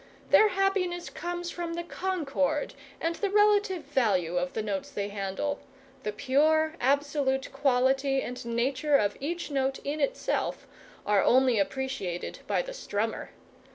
Their happiness comes from the concord and the relative value of the notes they handle: the pure, absolute quality and nature of each note in itself are only appreciated by the strummer.